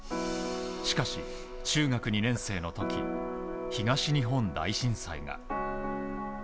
しかし、中学２年生の時東日本大震災が。